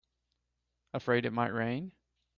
Afraid it might rain?